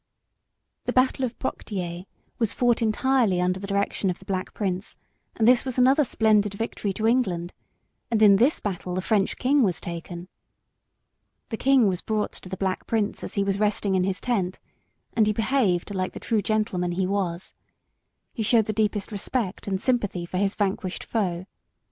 1356.] The battle of Poictiers was fought entirely under the direction of the Black Prince, and this was another splendid victory to England; and in this battle the French king was taken. The king was brought to the Black Prince as he was resting in his tent, and he behaved like the true gentleman he was. He showed the deepest respect and sympathy for his vanquished foe.